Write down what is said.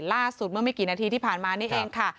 ล่าสุดเมื่อไม่กี่นาทีที่ผ่านมานี่เองค่ะ